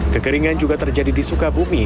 kekeringan juga terjadi di sukabumi